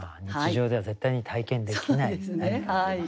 日常では絶対に体験できない。